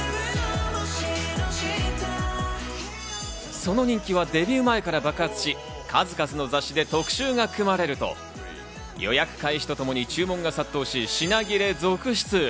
その人気はデビュー前から爆発し、数々の雑誌で特集が組まれると、予約開始とともに注文が殺到し、品切れ続出。